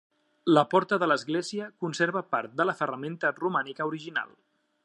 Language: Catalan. La porta de l'església conserva part de la ferramenta romànica original.